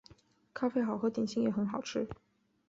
咖啡好喝，点心也很好吃